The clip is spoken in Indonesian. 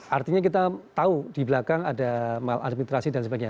artinya kita tahu di belakang ada maladministrasi dan sebagainya